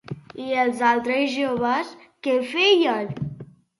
I els altres joves què feien?